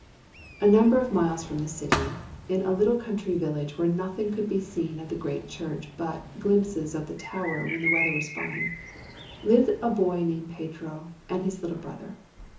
Now, a number of miles from the city, in a little country village, where nothing could be seen of the great church but glimpses of the tower when the weather was fine, lived a boy named Pedro, and his little brother.